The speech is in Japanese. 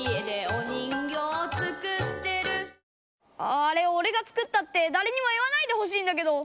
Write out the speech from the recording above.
あああれおれが作ったってだれにも言わないでほしいんだけど。